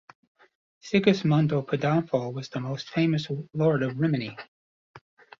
Sigismondo Pandolfo was the most famous lord of Rimini.